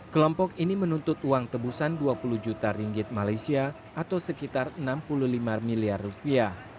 kelompok ini menuntut uang tebusan dua puluh juta ringgit malaysia atau sekitar enam puluh lima miliar rupiah